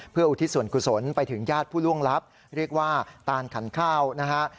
เพื่ออุทิศส่วนกุศลไปถึงญาติผู้ล่วงลับเรียกว่าตานขันข้าวนะฮะ